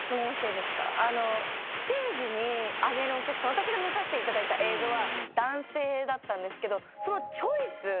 私が見させていただいた映像は男性だったんですけどそのチョイス。